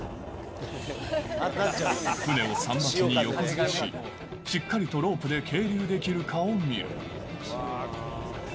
船を桟橋に横付けし、しっかりとロープで係留できるかを見る。